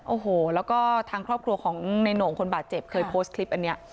โอ้โหแล้วก็ทางครอบครัวของในโหน่งคนบาดเจ็บเคยโพสต์คลิปอันนี้